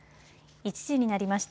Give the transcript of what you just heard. １時になりました。